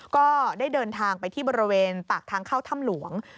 ก็ได้เดินทางไปที่บริเวณปากทางเข้าถ้ำหลวง